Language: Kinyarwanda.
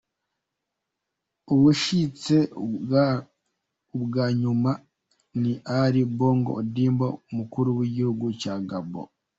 Uwushitse ubwa nyuma ni Ali Bongo Ondimba umukuru w’igihugu ca Gabo.